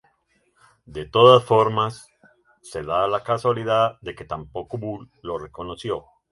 De todas formas, se da la casualidad de que tampoco Boulle lo recogió.